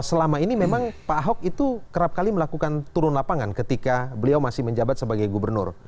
selama ini memang pak ahok itu kerap kali melakukan turun lapangan ketika beliau masih menjabat sebagai gubernur